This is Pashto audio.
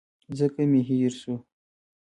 ځکه مي هېر شو .